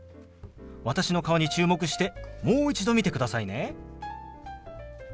私の顔に注目してもう一度見てくださいね。